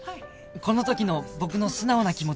この時の僕の素直な気持ちです